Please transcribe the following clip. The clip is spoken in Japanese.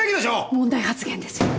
問題発言ですよ。